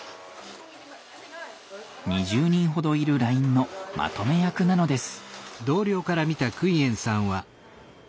２０人ほどいるラインのまとめ役なのです。